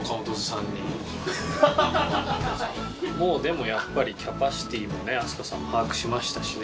もうでもやっぱりキャパシティーもね飛鳥さんも把握しましたしね。